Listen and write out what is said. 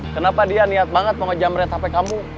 kenapa dia niat banget mau jamret hp kamu